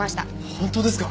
本当ですか？